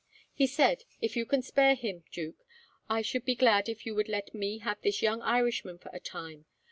He said, "If you can spare him, Duke, I should be glad if you would let me have this young Irishman for a time.